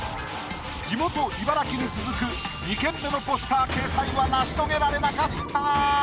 地元茨城に続く２県目のポスター掲載は成し遂げられなかった。